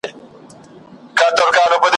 ستا د غواوو دي تېره تېره ښکرونه ,